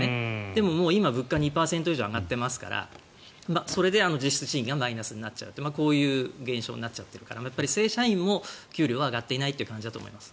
でも今、物価が２％以上上がってますからそれで実質賃金がマイナスになっちゃうというこういう現象になっているから正社員も給料は上がっていない感じだと思います。